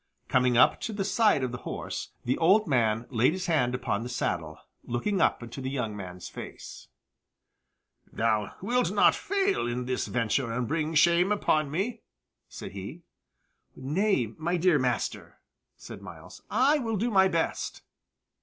Coming up to the side of the horse, the old man laid his hand upon the saddle, looking up into the young man's face. "Thou wilt not fail in this venture and bring shame upon me?" said he. "Nay, my dear master," said Myles; "I will do my best."